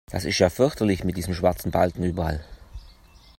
Das ist ja fürchterlich mit diesen schwarzen Balken überall!